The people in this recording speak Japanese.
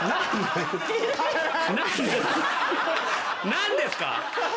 何ですか？